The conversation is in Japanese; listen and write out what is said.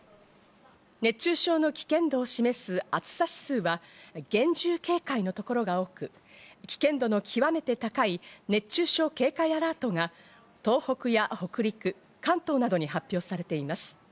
熱中症の危険度を示す暑さ指数は厳重警戒の所が多く、危険度の極めて高い熱中症警戒アラートが東北や北陸、関東などに発表されています。